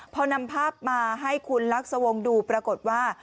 พอนำภาพมาให้คุณลักษวงศ์ดูปรากฏว่า